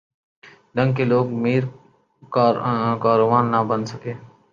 ڈھنگ کے لوگ میر کارواں نہ بن سکے۔